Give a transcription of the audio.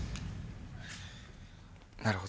なるほど。